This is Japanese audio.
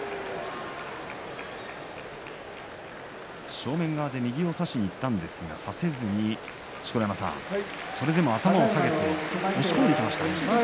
正面側で右を差しにいったんですが差せずに錣山さん、それでも頭を下げていきましたね。